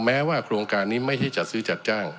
แม้ว่าโครงการนี้ไม่ใช่จัดซื้อจัดจ้าง